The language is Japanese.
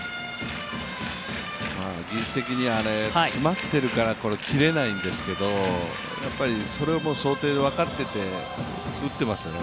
技術的には詰まってるから切れないんですけどそれも想定、分かってて打ってますよね。